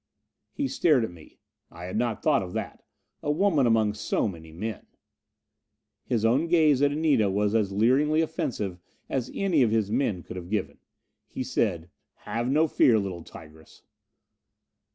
He stared at me. "I had not thought of that a woman among so many men." His own gaze at Anita was as leeringly offensive as any of his men could have given. He said, "Have no fear, little tigress."